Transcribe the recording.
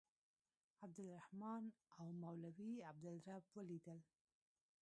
عبدالرحمن او مولوي عبدالرب ولیدل.